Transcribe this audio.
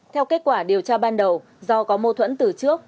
theo kết quả điều tra ban đầu do có mâu thuẫn từ trước